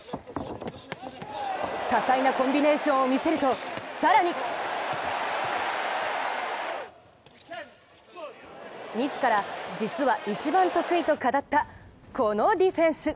多彩なコンビネーションを見せると更に自ら、実は一番得意と語ったこのディフェンス。